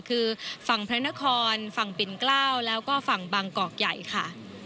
คือฝั่งพระนครฝั่งปิ่นเกล้าแล้วก็ฝั่งบางกอกใหญ่ค่ะ